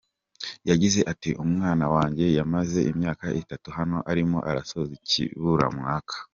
Yagize ati “Umwana wanjye amaze imyaka itatu hano arimo arasoza ikiburamwaka.